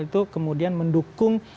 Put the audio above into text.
itu kemudian mendukung